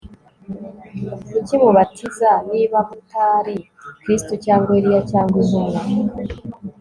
Kuki mubatiza niba mutari Kristo cyangwa Eliya cyangwa Intumwa